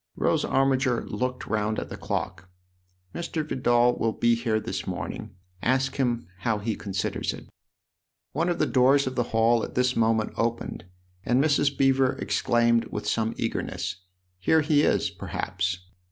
Rose Armiger looked round at the clock. " Mr. Vidal will be here this morning. Ask him how he considers it." One of the doors of the hall at this moment opened, and Mrs. Beever exclaimed with some eagerness :" Here he is, perhaps